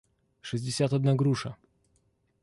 шестьдесят одна груша